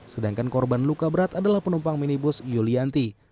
sedangkan korban luka berat adalah penumpang minibus yulianti